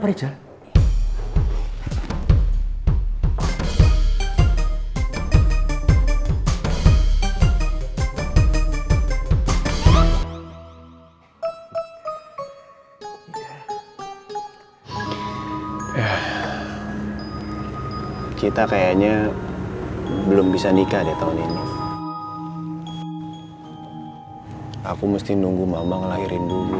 aja kita kayaknya belum bisa nikah di tahun ini aku mesti nunggu mama ngelahirin dulu